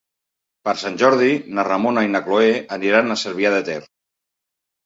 Per Sant Jordi na Ramona i na Cloè aniran a Cervià de Ter.